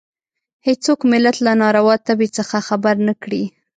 هېڅوک ملت له ناروا تبې څخه خبر نه کړي.